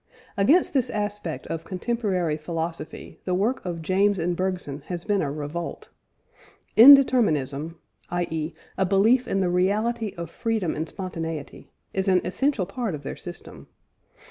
Against this aspect of contemporary philosophy, the work of James and Bergson has been a revolt. "Indeterminism," i.e. a belief in the reality of freedom and spontaneity, is an essential part of their system.